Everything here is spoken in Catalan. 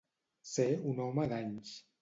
Ser un home d'anys.